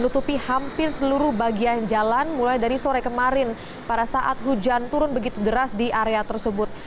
menutupi hampir seluruh bagian jalan mulai dari sore kemarin pada saat hujan turun begitu deras di area tersebut